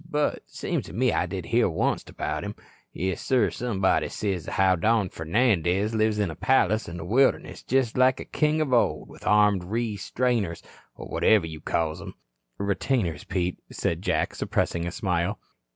But seems to me I did hear onct about him. Yes, sir, somebody sez as how Don Fernandez lives in a palace in that wilderness jest like a king of old, with armed ree strainers or whatever you calls 'em " "Retainers, Pete," said Jack, suppressing a smile.